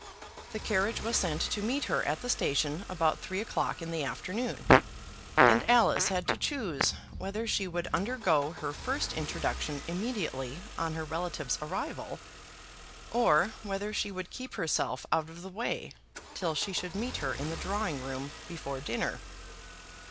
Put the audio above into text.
The carriage was sent to meet her at the station about three o'clock in the afternoon, and Alice had to choose whether she would undergo her first introduction immediately on her relative's arrival, or whether she would keep herself out of the way till she should meet her in the drawing room before dinner.